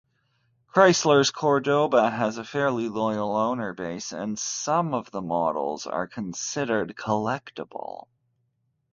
Chrysler's Cordoba has a fairly loyal owner base, and some models are considered collectible.